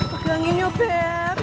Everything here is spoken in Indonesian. pegangin ya beb